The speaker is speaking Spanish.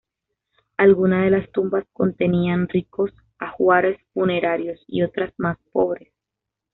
Algunas de las tumbas contenían ricos ajuares funerarios y otras más pobres.